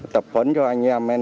tập huấn cho anh em